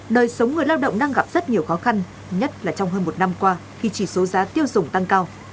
đời sống người lao động đang gặp rất nhiều khó khăn nhất là trong hơn một năm qua khi chỉ số giá tiêu dùng tăng cao